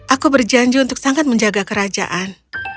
aku berjanji untuk sangat menjaga kerajaan